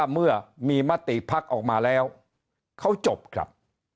มาติภักษ์ออกมาแล้วเขาจบครับ